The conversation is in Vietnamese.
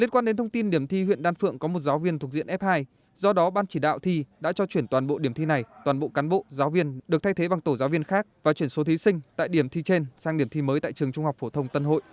liên quan đến thông tin điểm thi huyện đan phượng có một giáo viên thuộc diện f hai do đó ban chỉ đạo thi đã cho chuyển toàn bộ điểm thi này toàn bộ cán bộ giáo viên được thay thế bằng tổ giáo viên khác và chuyển số thí sinh tại điểm thi trên sang điểm thi mới tại trường trung học phổ thông tân hội